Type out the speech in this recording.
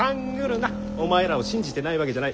お前らを信じてないわけじゃない。